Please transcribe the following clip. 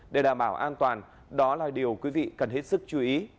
để đảm bảo an toàn đó là điều quý vị cần hết sức chú ý